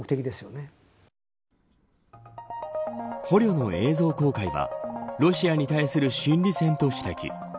捕虜の映像公開はロシアに対する心理戦と指摘。